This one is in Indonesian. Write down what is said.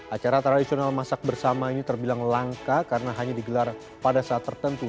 acara tradisional masak bersama ini terbilang langka karena hanya digelar pada saat tertentu